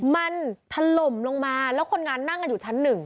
มันถล่มลงมาแล้วคนงานนั่งกันอยู่ชั้นหนึ่ง